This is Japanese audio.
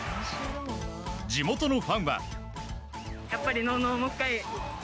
地元のファンは。